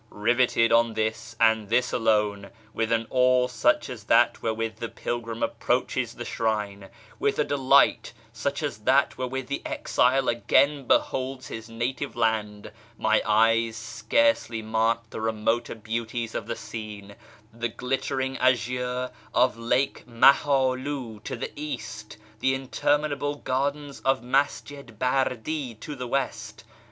liiveted on this, and this alone, with an awe such as that wherewitli the pilgrim approaches the shrine, with a delight such as that wherewitli the exile again beholds his native land, my eyes scarcely marked the remoter beauties of the scene — the glitter ing azure of Lake Mah; ilu to the east, the interminable gardens of Masjid Bardi to the west.